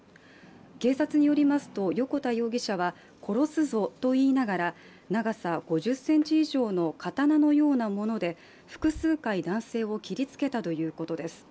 警察によりますと横田容疑者は殺すぞと言いながら長さ５０ｃｍ以上の刀のようなもので複数回男性を切りつけたということです。